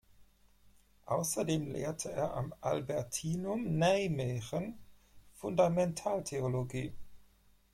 Außerdem lehrte er am Albertinum Nijmegen Fundamentaltheologie.